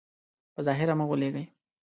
په ظاهر مه غولېږئ.